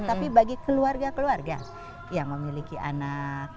tapi bagi keluarga keluarga yang memiliki anak